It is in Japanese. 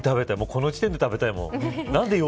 この時点で食べたいもん。